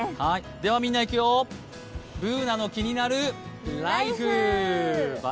ではみんないくよ、「ＢｏｏｎａのキニナルＬＩＦＥ」。